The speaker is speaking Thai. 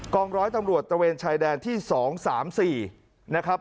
องร้อยตำรวจตระเวนชายแดนที่๒๓๔นะครับ